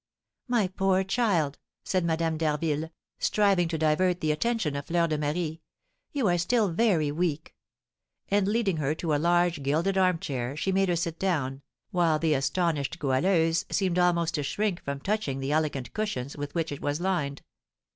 "My poor child!" said Madame d'Harville, striving to divert the attention of Fleur de Marie, "you are still very weak!" and, leading her to a large gilded armchair, she made her sit down, while the astonished Goualeuse seemed almost to shrink from touching the elegant cushions with which it was lined.